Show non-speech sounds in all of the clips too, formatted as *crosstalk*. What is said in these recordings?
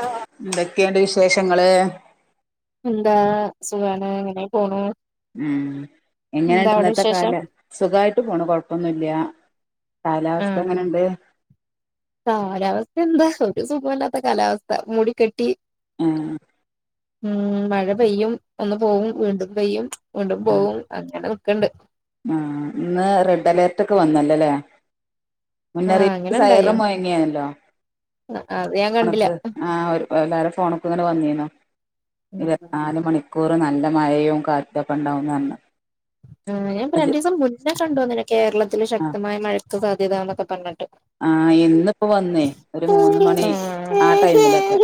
ആഹ് ന്തൊക്കെണ്ട് വിശേഷ് പെങ്ങള് എന്താ സുഖാണ് ങ്ങനെ പോണു. ഉം എന്താ എങ്ങനെണ്ട് അവിടെ ഇന്നത്തെ കാല വിശേഷം സുഖായിട്ട് പോണ് കൊഴപ്പൊന്നുല്ല. കാലാവസ്ഥ ആഹ് എങ്ങനെണ്ട് കാലാവസ്ഥ എന്താ ഒരു സുഖഓല്ല. കാലാവസ്ഥ മൂടി കെട്ടി ആഹ് ഉം മഴ പെയ്യും ഒന്ന് പോകും വീണ്ടും പെയ്യും വീണ്ടും ആഹ് പോവും അങ്ങനെ നിക്ക്ണ്ട് എലേ മുന്നറിയിപ്പ് ഇണ്ടായോ സൈറം മുഴങ്ങേൻല്ലോ അത് ഞാൻ കണ്ടില്ല അനക് ആ ഒര് എല്ലാരെ ഫോണ് ക്കും ങ്ങനെവന്നീനു. ഉം ഇരുവത് നാല് മണിക്കൂറ് നല്ല മഴയും കാറ്റൊക്കെ ഉണ്ടാവൂന്ന ർഞ്ഞ് ആ ഞാൻ ഇപ്പൊ രണ്ട് ദിവസം മുന്നേ കണ്ടു തോന്ന്ണ് കേരളത്തിൽ ശക്തമായ മഴക്ക് സാധ്യ *unintelligible* ആ ഇന്നിപ്പോ വന്നേ ഒരു മൂന്ന് മണി ആ ടൈമിലൊക്കെ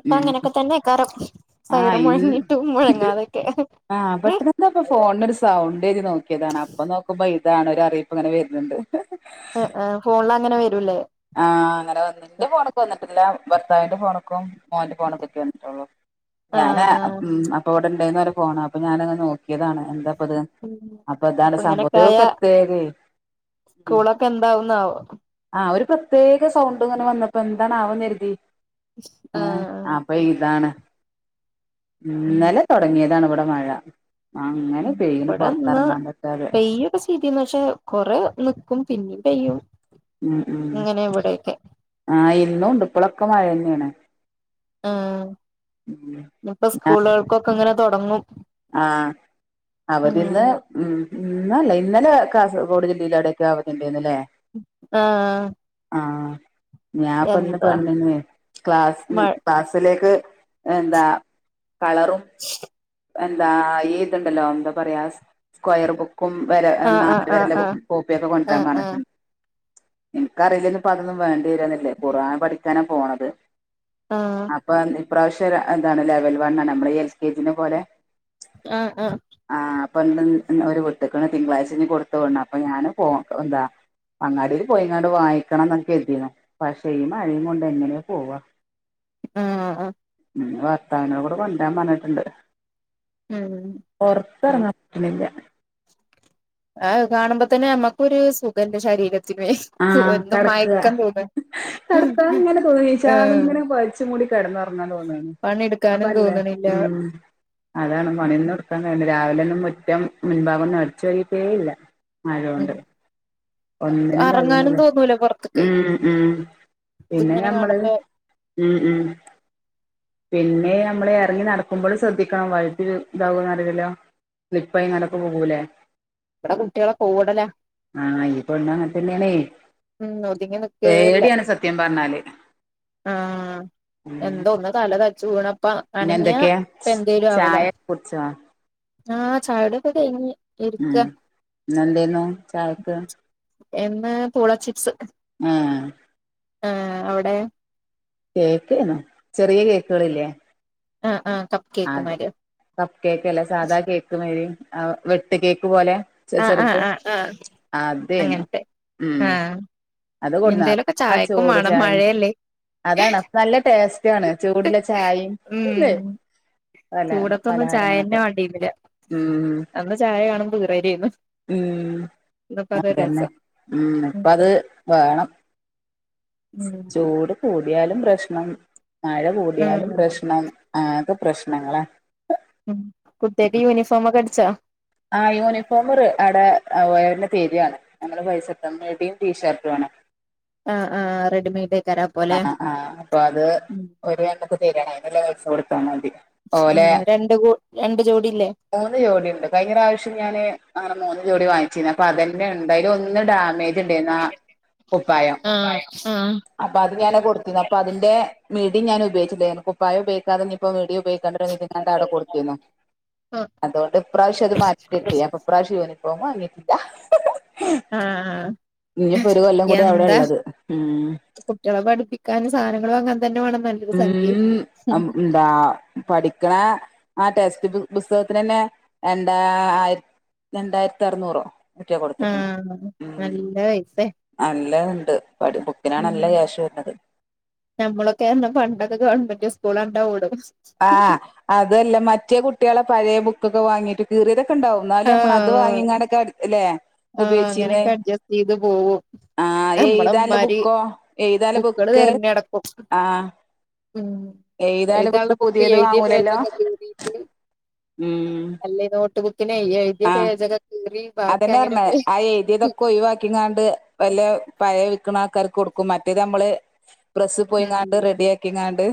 ഇപ്പൊ ഉം അങ്ങനെയൊക്കെ തന്നെക്കാരം ആഹ് സൈറം ഇന്ന് മുഴങ്ങിട്ടും മുഴങ്ങാതൊക്കെ ഫോണിന് ഒരു സൗ *unintelligible* നോക്കിയതാണ് അപ്പൊ നോക്കുമ്പോ അതാണ് ഒരു അറിയിപ്പ് ഇങ്ങനെ വര്ണ് ണ്ട് ആ ആ ഫോണിലങ്ങനെ വരൂല്ലേ ആ അങ്ങനെ വന്ന് ഇന്റെ ഫോൺക്ക് വന്നി ട്ടില്ല ഭർത്താവിന്റെ ഫോൺക്കും മോന്റെ ഫോണ്കൊക്കെ വന്നിട്ടൂള്ളൂ ഞാന് ആഹ് മ് അപ്പൊഇവിടെണ്ടേനി ഫോൺ അപ്പൊ ഞാനത് നോക്കിയതാണ് എന്താ പ്പത അപ്പൊ ഇതാ സംഭവം ഒരു പ്രത്യേകെ സ്കൂളൊക്കെ എന്താവുന്നാവോ ആ പ്രത്യേക സൗണ്ട് ങ്ങനെ വന്നപ്പോ എന്താണ്ന്നുകരുതി ആ ആഹ് അപ്പൊ ഇതാണ് ഉം ഇന്നലെ തൊടങ്ങിയതാണ് ഇവിടെ മഴ അങ്ങനെ പെയ്യ്ണ് ഇവിടെ ഇന്ന് പൊറത്തെറങ്ങാൻ പറ്റാതെ പെയ്യൊക്കെ ചെയ്തീന്നു പക്ഷേ കൊറേ നിക്കും പിന്നിം പെയ്യും ങ്ങനെ ഇവിടെക്കെ ആ ഇന്നുംണ്ട് ഇപ്പോളൊക്കെ മയന്നേണ് ആ ഇന്ന്പ്പോ ആ സ്കൂളുകൾക്കൊക്കെ ഇങ്ങനെ തൊടങ്ങും ആ അവരിന്ന് ഉം ഉം ഇന്നല്ലേ ഇന്നലെ കാസർഗോഡ് ജില്ലയിയില വിടെക്കെ അവധി ഇണ്ടാര്ന്ന് ല്ലേ ആ ആ ഞാപ്പ ന്ന്പ്പ *unintelligible* ക്ലാസ് മഴ ക്ലാസ്സിലേക്ക് എന്താ കളറും എന്താ ഈ തുണ്ടല്ലോ എന്താ പറയാ സ്ക്വയർ ബുക്കും വര അ ആഹ് നാല് ആഹ് വരെല്ല കോ ആഹ് കോപ്പി ഒക്കെ കൊണ്ടരാൻ ആഹ് ആഹ് പറഞ്ഞിട്ട് എന്ക്കറിയില്ലേര്ന്ന് ഇപ്പ അതൊന്നും വേണ്ടി വരോന്ന്ള്ളത് ഖുറാൻ പഠിക്കാനാ പോണത് ആഹ് അപ്പൊഴാണ് ഇപ്രാശ്യ തെര അതാണ് ലെവൽ വണ്ണാണ് നമ്മള് എൽ കെ ജിനെ പോലെ ആഹ് ആഹ്. പണ്ടന്ന് അന്ന് ഒരു വിട്ട്ക്കണ് തിങ്കളാഴ്ച ഇനി കൊടുത്തു വിടണം. അപ്പം ഞാന് പോ എന്താ അങ്ങാടീല് പോയിങ്ങാണ്ട് വാങ്ങിക്കണം എന്നൊക്കെ കരുതീന്. പക്ഷേ ഈ മഴേം കൊണ്ട് എങ്ങനെയാ പോവാ? ആഹ് അ മ്ം നിങ്ങള ഭർത്താവിന കൂടെ കൊണ്ട‌രാൻ പറഞ്ഞിട്ടൊണ്ട്. ഉം പൊറത്ത് എറങ്ങാൻ പറ്റുണില്ല. ആ കാണുമ്പ തന്നെ നമ്മക്കൊര് സുഖണ്ട് ശരീര ആഹ് കടക്ക്ക തോന്ന കടക്കാ ഇങ്ങനെ തോന്നി ഏഹ് ച്ചാർന്നിങ്ങനെ പൊതച്ച് മൂടി കെടന്നൊറങ്ങാൻ തോന്നാണ്. പണിയെടുക്കാനും അപ്പല്ലേ തോന്നണില്ല മ്ം അതാണ് പണീന്നും എടുക്കാൻ നേരല്ല രാവിലെ ഒന്നും ഒ റ്റം മുൻ ഭാഗോന്നു അടിച്ച് വാരീറ്റേ ഇല്ല. മഴ ഉം ഒണ്ട് ഒന്നിനും ക അറങ്ങാനും *unintelligible* തോന്നൂല പൊറത്ത്ക്ക് മ്ം മ്ം പിന്നെ ഇതിങ്ങനെ ഞമ്മള് കാണുമ്പോ മ്ം മ്ം പിന്നെ ഞമ്മള് എറങ്ങി നടക്കുമ്പൊഴും ശ്രദ്ധിക്കണം. വഴുതില് ന്താകോന്ന് അറിയില്ല. സ്ലിപ്പായിനടക്കുമ്പോ പോവില്ലേ? ഇവടെ കുട്ടികള കൂടലാ. ആ ഈപ്പോഴ്ന്ന *unintelligible* തന്നെയാണേ ഉം ഒതുങ്ങി നിക്കേല്ല പേടി‌യാണ് സത്യം പറഞ്ഞാല്. ആഹ് ഉം എന്തോ ഒന്ന് കാൽ അല്ലാതെ കചൂണം പിന്നെ എന്തൊക്കെയാ ചായക്കെ കുടിച്ചാ ആഹ് ചായുടിക്കെ കഴിഞ്ഞ് ഉം ഇരിക്കാ ന്ന് എന്തേനു ചായക്ക് എന്ന് പൂള ചിപ്സ് ആഹ് ആഹ് അവ്ടെ കേക്ക്ന്നാ ചെറിയ കേക്കുകളില്ലേ ആഹ് ആഹ് കപ്പ് കേക്ക് അതെ മാരിയോ കപ്പ് കേക്ക് അല്ല സാധാ കേക്ക് മാരി ആ വെട്ട് കേക്ക് പോലെ ആഹ് ആഹ് ചെറുത് ആഹ് ആഹ് അതേന്നു അങ്ങനത്തെ ഉം ആഹ് അത് കൊട്ന്ന എന്തേലൊക്കെ ആഹ് ചായക്കും ചൂട് വേണം ചായയും മഴയല്ലേ അതാണ് അതു നല്ല ടേസ്റ്റിണ് ചൂടുള്ള ചായയും ഇല്ലേ ഉം പല ചൂടത്തൊന്നും ചായെന്നെ പലഹാരങ്ങളൊക്കെ വാണ്ടീര്ന്ന്ല ഉം അന്ന് ചായ കാണ് മ്പ ഈറെ ഗെയ്മ് ഉം അത്രന്നെ ഉം ഇപ്പത് വേണം ഉം ചൂട് പോയ്‌ എയാലും പ്രശ്നം മഴ കൂടിയാലും പ്രശ്നം ആകെ പ്രശ്നങ്ങളാ ഉം കുട്യക്ക് യൂണിഫോമ ഒക്കെ എടു ച്ചാ ആ യൂണിഫോമോര് അട അളവിന്റ തിയ്യതിയാണ് ഞമ്മളെ പൈസടുത്തെ മെടിയും ടീഷർട്ടുമാണ് ആ ആ റെഡിമെയ്ഡ് കരാ പോലെ ആ ആ അപ്പൊ അത് ഉം ഒരു എൻ ശരിയാണ് അതിനുള്ള പൈസ കൊടുത്താ മതി ഓലെ രണ്ട് കൂ രണ്ട് ജോടില്ലേ മൂന്ന് ജോടിയുണ്ട് കഴിഞ്ഞ പ്രാവശ്യം ഞാന് അങ്ങനെ മൂന്ന് ജോടി വാങ്ങിച്ചിന്ന് അപ്പൊ അതന്നെ എന്തായും ഒന്ന് ഡാമേജ് ഉണ്ടായിന്നആ കുപ്പായം ആഹ് ആഹ് അപ്പൊ അത് ഞാന കൊടുത്തിനെ അപ്പൊ അതിന്റെ മി അധികാം ഞാന് ഉപയോഗിചില്ല കുപ്പായം ഉപയോഗിയ്ക്കാതിപ്പോ ഇപ്പോ മിഡി ഉപയോഗിക്കണ്ടിങ്ങിട്ട് ഞാന് ത അടെ കൊടുത്തിന്നു അതുകൊണ്ട് ഇപ്രാവശ്യം അത് മാറ്റിട്ട അപ്പൊ ഇപ്രാവശ്യ പോമ വന്നേറ്റില്ല ആഹ് ഇനിപ്പോ ഒരു കൊല്ലം കൂടി അവിടെ ഒള്ളത് ഊ യോഗ പഠപ്പിക്കാനും സാധനങ്ങളു വാങ്ങാനും ഉം മ്മ് എന്താ പഠിക്കണ ആ ടെസ് പുസ്തകത്തിന് തന്നെ രണ്ടായി രണ്ടായിരത്തി അറുന്നൂറോ മറ്റോ ആ കൊടുത്തിട്ടുണ്ട് നല്ല പൈസ് ഉണ്ട് പടി ബുക്കിനാ നാല്ല ക്യാശ് വരുന്നത് നമ്മളൊക്കെ പറഞ്ഞ പണ്ടൊക്കെ ഗവൺമെന്റ് സ്കൂലണ്ടാവൂള് ആ അതല്ല മറ്റേ കുട് കുട്ടികളെ പഴയ ബുക്കൊക്കെ വാങ്ങിയിട്ട് കീറിയതെ ഉണ്ടാവും എന്നാലേ നമ്മളത് ആഹ് വാങ്ങിനടുതല്ലേ ആഹ് ഉപയോഗിച്ചീന്ന് അങ്ങനെയൊക്കെ അഡ്ജസ്റ്റ് ചെയ്ത് പോവും ആ എഴ്താല്ലോ നമ്മളമ്മാര് ബുക്കോ ഏയ്‌താനുള്ള ബുക്കുകള് ബുക്ക് തരണ അടക്കും ആ ഉം എഴുതാള്ള ബുക്ക് എഴുതിയ വാങ്ങൂലല്ലോ പേജൊക്കെ കീറിയിട്ട് ഉം അല്ലെ നോട്ട് ബു പിന്നെ എഴുതിയ ആഹ് പേജക്കെ കീറി ബാക്കി അതന്നെ അങ്ങനെ പറഞ്ഞ ഉപയോഗിക്കും ആ ഏതിയതൊക്കെ ഒഴിവാക്കിങ്ങാണ്ട് വല്ല പാ വിക്കണ ആൾക്കാറ്ക്ക്‌ കൊടുക്കും മറ്റേത് നമ്മള് പ്രസ്സ് ഉം പോയിങ്ങാണ്ട് റെഡി ആക്കിങ്ങാണ്ട്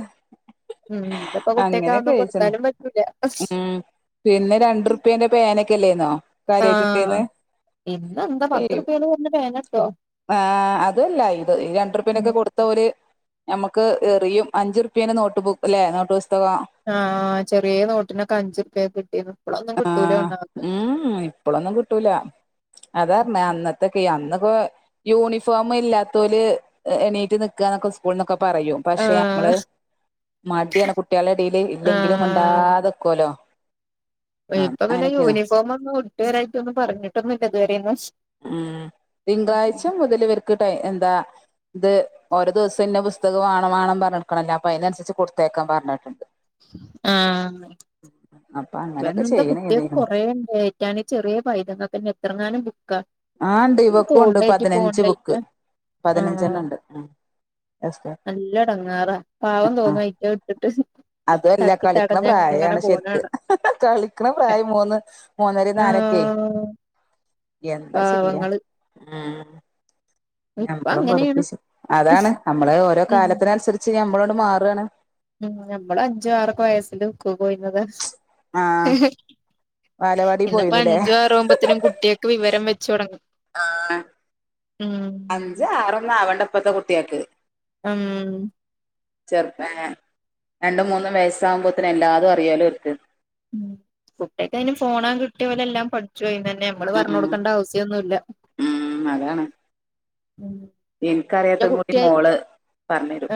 ഉം ഇതിപ്പോ കുട്ടിയക്ക് അങ്ങനെക്കെ അതൊന്നും കഴിച്ചണ് കൊടുത്താലും പറ്റൂല ഉം പിന്നെ രണ്ട് റുപ്യേന്റെ പേന കെല്ലേന്നോ കാര്യാട്ട് ആഹ് ഏന്ന് ഇന്നെന്താ ഏ പത്ത് റുപ്യേല് പറഞ്ഞ പേനട്ടോ ആ അതല്ല ഇത് രണ്ട് ഉം റുപ്പ്യനൊക്കെ കൊടുത്ത ഓര് നമുക്ക് എറിയും അഞ്ചു റുപ്പ്യേന്റെ നോട്ട് ബുക്ക് അല്ലെ നോട്ട് പുസ്തകം ആഹ് ചെറിയ നോട്ടിനൊക്കെ അഞ്ചു കിട്ടിയത് ഇപ്പള ഒന്നും കിട്ടൂല നമക്ക് ഇപ്പോളൊന്നും കിട്ടൂല്ലാ അതാ പറഞ്ഞേ അന്നത്തെ അന്ന് ഇപ്പോ യൂണിഫോം ഇല്ലാത്തോല് എണീറ്റ് നിക്കാന്നൊക്കാ സ്കൂളിന്നൊക്ക പറയൂ പക്ഷെ നമ്മള് ആഹ് മടിയാണ് കുട്ടികളുടെ എടേല് ഇല്ലെങ്കിലും മുണ്ടാതെ നിക്കുവല്ലോ ഇപ്പ പിന്നെ യൂണിഫോം അങ്ങ് കൊടു ക്ലിയറായിടൊന്നും പറഞ്ഞിട്ടൊന്നില്ല ഇതുവരെയന്നും ആ തിങ്കളാഴ്ച മുതല് വരു ട്ട എന്താ ഇത് ഓരോ ദിവസം ഇന്ന പുസ്തകം ആണ് മാഡം പറഞ്ഞടുക്കണല്ലേ അപ്പൊ അതിനനുസരിച്ച് കൊടുത്തേക്കാൻ പറഞ്ഞിട്ടുണ്ട് ആ അപ്പൊ അങ്ങനെയൊക്കെ എന്താ ചെയ്യണം കുട്ടികേക്ക്‌ കരുതീക്ക്ണ് കൊറേണ്ട് ചെറിയ പൈതങ്ങക്ക്‌ തന്നെ എത്രങ്ങാനം ബു ക്ക ആഹ് ഇണ്ട് ഈ ഇവക്കുണ്ട് തോണ്ടായിറ്റ് പതിനഞ്ച് ബുക്ക് പോണ്ടായിറ്റോ ആ പതിനഞ്ചെണ്ണം ഉണ്ട് ഉം എസ് നല്ല ഇടങ്ങാറാ പാവം ആഹ് തോന്നാ ഇട്ടിട്ട് അതുഅല്ല തട്ടി കളിക്കണ തടഞ്ഞ അങ്ങനെ പ്രായാണ് പോകാന ശരിക്ക് കളിക്കണ പ്രായം മൂന്ന് മൂന്നര നാലക്കെ ആഹ് എൻ അത് ശരിയാ പാവങ്ങള് ആ ഇപ്പ ഞമ്മളും അങ്ങനെയാണ് പഠിപ്പിച്ചു അതാണ് ഉം നമ്മള് ഓരോ കാലത്തിനനുസരിച്ച് ഞ അങ്ങോട്ട് മാറ് വേണേ ഉം നമ്മള് അഞ്ചു ആറൊക്കെ വയസ്സില് പോയിരുന്നത് ആഹ് ബാലവാടി ഇന്നപ്പോ പോയിന്നുല്ലേ അഞ്ചു ആറും ആവുമ്പത്തിനും കുട്ടിയൊക്ക് വിവരം വെച്ച ചൊരങ്ങ് ആ അഞ്ച് ആറൊന്നും ആവണ്ട ഇപ്പത്തെ കുട്ടിയക്ക് ഉം ചെറുപ്പം രണ്ടും മൂന്നും വയസ്സാാവുമ്പോത്തിന് എല്ലാതും അറിയാലോ അവർക്ക് ഉം കുട്ടിയക്ക് അയിന് ഫോണാ കിട്ടിയ ഓലെല്ലാം പടിച്ചു തന്നെ നമ്മള് പറഞ്ഞ ഉം കൊടുക്കണ്ട അവസ്യോ ഒന്നുല്ല ഉം എന്റെ എനിക്കറിയാത്തും കൂടി കുട്ടിയെ മോള് പറഞ്ഞരും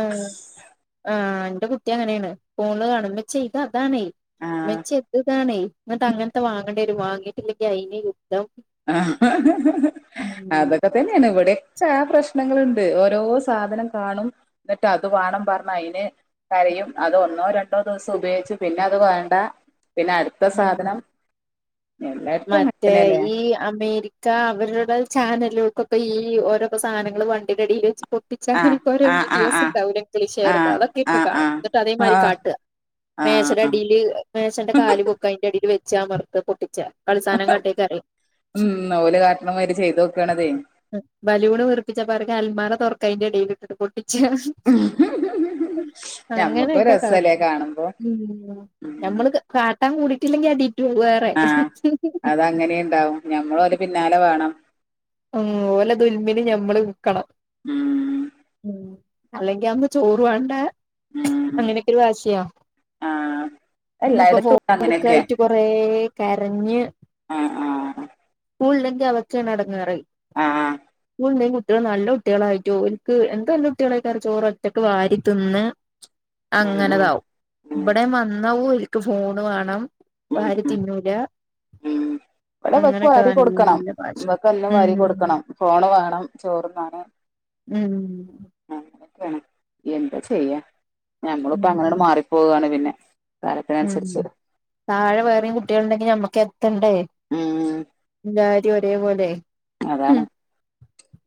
എന്റ കുട്ടിയങ്ങനേണ് ഫോണില് കാണും ഉമ്മിച്ചിയെ ഇതാ ഇതാണെ ആഹ് മ്മച്ചിയെ താണെയ്‌ എന്നട്ടങ്ങൻത്തെ വാങ്ങണ്ട്യരും വാങ്ങിട്ടില്ലെങ്കി അയിന് യു ആ ഉം അതൊക്കെ തന്നെയാണിവിടെ ആ പ്രശ്നങ്ങള്ണ്ട് ഓരോ സാധനം കാണും ഇന്നട്ട് അത് വാണം പറ്ഞ യ്ന് കരയും അത് ഒന്നോ രണ്ടോ ദിവസം ഉപയോഗിച്ച് പിന്നെ അത് വേണ്ട പിന്നെ അട്ത്ത ഉം സാധനം എല്ലായിടത്തും മറ്റേ അങ്ങൻത്തന്നെല്ലേ ഈ അമേരിക്ക അവരുടെ ചാനലുകൾക്കൊക്കെ ഈ ഓരോ പ്പ സാനങ്ങൾ വണ്ടിന്റയിൽ വെച്ച് പൊട്ടിച്ച് ആ അങ്ങനൊക്കെ ഓരോ ആ ആ വീഡിയോസ് ആ ഇണ്ടാവുലെ ആ ഇംഗ്ലീഷാരത് അതൊക്കെ ഇരുന്ന് കാണും ആ എന്നട്ട് ആ ആ അതേമായ്രി കാട്ട ആ മേ ശന്റടീല് മേശന്റെ കാല് പൊക്ക അയ്ന്റെ അടീൽ വെ ച്ച് അമർത്ത പൊട്ടിച്ചാ അത്‌ സാനം കാട്ടേക്കാരെ ഉം ഓല് കാട്ടണമാതിരി ചെയ്ത് നോക്കണതേ ഉം ബലൂണ് വീർപ്പിച്ചപ്പവർക്ക് അൽമാറ ർക്ക അയ്ന്റെ എടേലിത്ട്ട്പൊട് ച്ച് ഞമ്മക്കും അങ്ങനെയൊക്കെ കാട്ടും രസല്ലേ കാണുമ്പോ ഉം ഉം. നമ്മള് *unintelligible* കാട്ടാ ട്ടാൻ കുടിക്കില്ലെങ്കി അടി ടു വേറെ ആ *unintelligible* അതങ്ങനെ ഇണ്ടാവും ഞമ്മളോലെ പിന്നാലെ വാണം ഉം ഓലെ ദുൽമിന് ഞമ്മള് നിക്കണം ഉം ഉം അല്ലെങ്കി അന്ന് ചോറ് വാണ്ട ഉം അങ്ങനൊക്കെ ഒര് വാശിയാ ആഹ് ഇന്നിപ്പോ എല്ലായിടത്തും ഫോൺ ഉണ്ട് അങ്ങനെയൊക്കെ കൊടുക്കായിട്ട് കൊറേ ക്കെരഞ്ഞ് ആ ആ സ്കൂൾല്ലെങ്കി അതൊക്കെണ് എടങ്ങേറ്. ആഹ് സ്കൂൾണ്ടെങ്കി കുട്ടികൾ നല്ല കുട്ടികളായിട്ടോരിക്ക് എന്ത് നല്ല കുട്ടികളായിട്ടാണ് ചോറ് ഒറ്റക്ക് വാരി തിന്ന. ഉം ഉം അങ്ങനെതാവും ഉം ഇവിടേം വന്നാവൂ ക്ക് ഫോണ് വേണം ഉം ഉം വാരിത്തിന്നൂല ഉം ഇവിടെ ഇവക്ക് അങ്ങനെയൊക്കെ വാരി കൊടുക്കണം നല്ല വാശി. ഇവക്ക് എല്ലാം വാരി ഉം കൊടുക്കണം ഫോണ് വേണം ചോറ്ന്നാന് ഉം അങ്ങനൊക്കെയാണ് എന്താ ചെയ്യാ. ഞമ്മളിപ്പോ ഉം അങ്ങനാട് മാറി. പോവുവാണ് പിന്നെ ഉം കാലത്തിനനുസരിച്ച് താഴെ വേറെയും കുട്ടികള് ഉണ്ടെങ്കി നമ്മക്ക് എത്തണ്ടേ ഉം *unintelligible* ഒരേപോലെ അതാണ് ഉം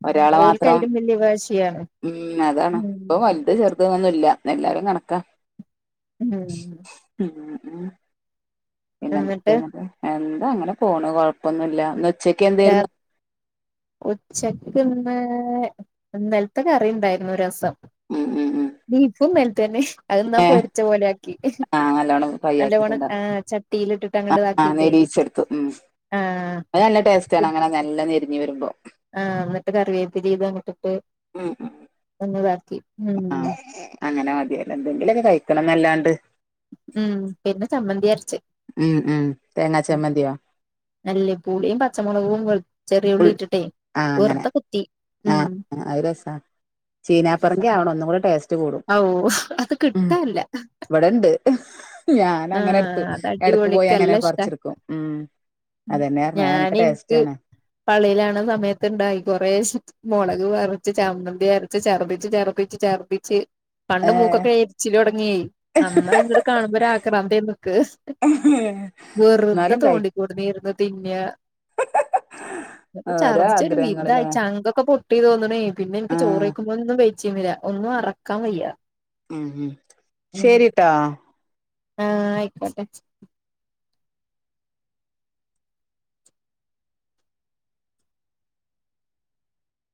ഒരാളെ മാത്രം ഓൽക്കയിലും വല്യ വാശിയാണ് ഉം അതാണ് ഇപ്പൊ ഉം വലുത് ചെറുത് ന്നൊന്നുല്ല എല്ലാരും കണക്കാ. ഉം ഉം ഉം പിന്നെ എന്നിട്ട് എന്തൊക്കെയ *unintelligible* ആ ഇങ്ങനെ പോണ് കൊഴപ്പൊന്നുല്ല *unintelligible* ഉച്ചയ്ക്ക് എന്തേരുന്നു? ഉച്ചക്കിന്ന് ഇന്നൽത്തെ കറി ഇണ്ടായിരുന്നു രസം ഉം ഉം ഉം *unintelligible* തന്നെ അതെന്നാ ഏ പൊരിച്ച പോലെ *unintelligible* ക്കി ആഹ് നല്ലോണം ആ ചട്ടിയിലിട്ട് ആ ആ നേരീച്ചെടുത്തു ഉം ആഹ് അത് നല്ല *unintelligible* അങ്ങനെ നല്ല നെരു ഇനി വരുമ്പോ ആഹ് എന്നിട്ട് കറിവേപ്പ് ചെയ്ത് അങ്ങട്ടിട്ടു ഉം ഉം *unintelligible* ഉം ആ അങ്ങനെ മതിയല്ലോ എന്തെങ്കിലൊക്കെ കഴിക്കണന്നല്ലാ ണ്ട് ഉം പിന്നെ ചമ്മന്തി അര ച്ച് ഉം ഉം തേങ്ങാ ഉം ചമ്മന്തിയോ നല്ല പുളിയും പച്ചമുളകും വെ ചെറിയ ഉള്ളി ഉൾ ഇട്ടിട്ടെ ആഹ് അങ്ങനെ വെറുതെ കുത്തി ഉം ആഹ് ആ അത് രസാ ചീനാപ്പറങ്കി ആവണം ഒന്നും കൂടെ ടേസ്റ്റ് കൂടും ഔ അത് ഉം കിട്ടാല്ല ഇവടെണ്ട്. ആഹ് എടക്ക് പോയി അങ്ങനെ അതടിപൊളിക്കെല്ലാ ഇഷ്ടാ പറിച്ചെടുക്കും ഉം അതന്നെ പറഞ്ഞെ ഞാൻ നല്ല ടേസ്റ്റ് എനിക്ക് ആണ് പള്ളിയിലാണ് സമയത്ത്ണ്ടായി കൊറെ മുളക് അരച്ച് ചമ്മന്തി അരച്ച് ചെറപ്പിച്ച് ചെറപ്പിച്ച് ചെറപ്പിച്ച് പണ്ട് ഏഹ് മൂക്കൊക്കെ എരിച്ചില് തുടങ്ങെയി അമ്മ ഇങ്ങ്ട് കാണുമ്പോ ഒരു ആക്രാന്തേരുന്നുമക്ക് വെറുതെ എന്നാലും കഴിക്കും തോണ്ടിക്കൊണ്ട്ന്നേർന്ന് തിന്നാ ഓരോ ചർദ്ദിച്ച് ഒരു വിധായി ആഗ്രഹങ്ങളില്ലേ ചങ്കൊക്കെ പൊ ട്ടി തോന്ന് ണേ പിന്നെ എൻക്ക് ചോറ് ആഹ് കഴിക്കുമ്പോഴൊന്നും വെയ് ച്ചിമര ഒന്നും അറക്കാൻ വയ്യ ഉം ഉം ശരി ട്ടാ ആഹ് ആയിക്കോട്ടെ